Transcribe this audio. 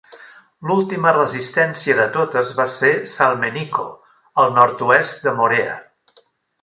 L"última resistència de totes va ser Salmeniko, al nord-oest de Morea.